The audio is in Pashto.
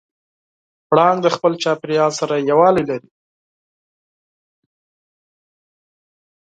پړانګ د خپل چاپېریال سره یووالی لري.